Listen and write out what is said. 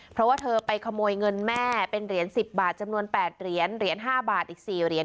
เพราะว่าเธอไปขโมยเงินแม่เป็นเหรียญ๑๐บาทจำนวน๘เหรียญเหรียญ๕บาทอีก๔เหรียญ